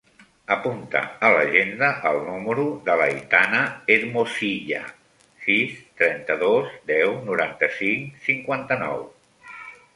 Apunta a l'agenda el número de l'Aitana Hermosilla: sis, trenta-dos, deu, noranta-cinc, cinquanta-nou.